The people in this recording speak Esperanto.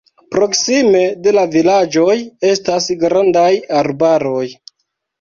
Proksime de la vilaĝoj estas grandaj arbaroj.